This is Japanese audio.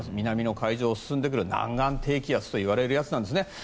南海上を進んでくる南岸低気圧といわれるやつですね。